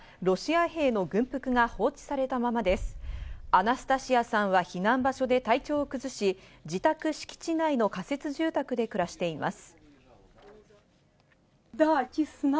アナスタシアさんは避難場所で体調を崩し、自宅敷地内の仮設住宅で暮らしています。